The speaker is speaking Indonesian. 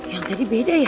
yang tadi beda ya